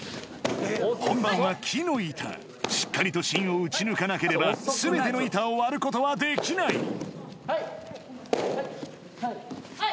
本番は木の板しっかりと芯を打ち抜かなければ全ての板を割ることはできないはい！